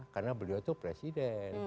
karena beliau itu presiden